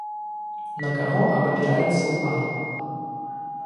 На каго абапіраецца ўлада?